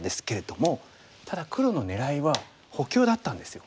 ただ黒の狙いは補強だったんですよ。